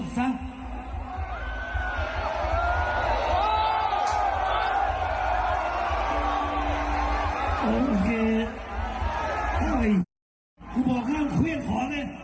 ถ้าไม่อยากฟังเพลงมึงกลับบ้านไปเลย